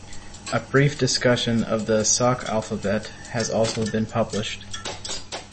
A brief discussion of the Sauk alphabet has also been published.